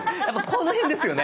この辺ですよね。